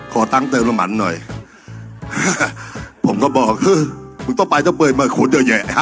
ขอตั้งเติมน้ำมันหน่อยผมก็บอกคือมึงต้องไปต้องเปิดมาขุดเยอะแยะ